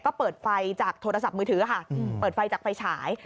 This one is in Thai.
ก็เปิดไฟจากโทรศัพท์มือถือค่ะเปิดไฟจากไฟฉาย